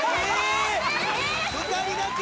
え２人だけ？